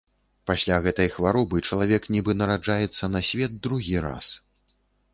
Пасля гэтай хваробы чалавек нібы нараджаецца на свет другі раз.